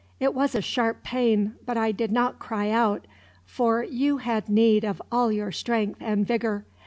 It was a sharp pain, but I did not cry out; for you had need of all your strength and vigor.